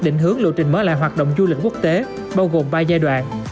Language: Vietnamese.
định hướng lộ trình mở lại hoạt động du lịch quốc tế bao gồm ba giai đoạn